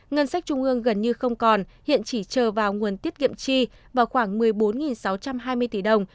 ngân sách trung ương gần như không còn hiện chỉ chờ vào nguồn tiết kiệm chi vào khoảng một mươi bốn sáu trăm hai mươi tỷ đồng